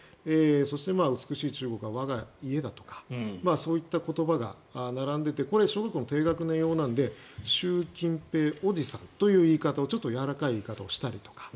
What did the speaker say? そして美しい中国は我が家だとかそういった言葉が並んでいてこれは小学校の低学年用なので習近平おじさんというちょっとやわらかい言い方をしたりとか。